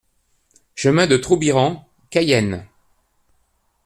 Chemin de Troubiran, Cayenne